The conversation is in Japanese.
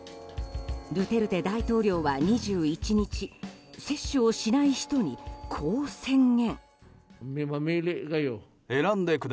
ドゥテルテ大統領は２１日接種をしない人に、こう宣言。